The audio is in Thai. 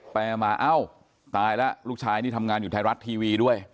ไปมาเอ้าตายแล้วลูกชายนี่ทำงานอยู่ไทยรัฐทีวีด้วย